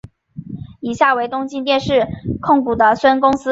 以下为东京电视控股的孙公司。